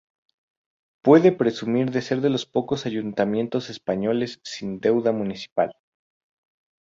Puede presumir de ser de los pocos ayuntamientos españoles sin deuda municipal.